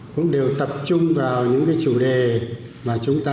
cũng đều tập trung vào những cái chủ đề mà chúng ta